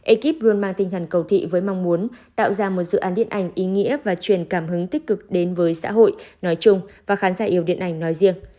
ekip luôn mang tinh thần cầu thị với mong muốn tạo ra một dự án điện ảnh ý nghĩa và truyền cảm hứng tích cực đến với xã hội nói chung và khán giả yêu điện ảnh nói riêng